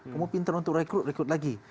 kamu pinter untuk rekrut rekrut lagi